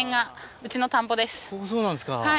ここそうなんですか。